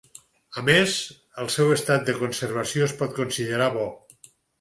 A més, el seu estat de conservació es pot considerar bo.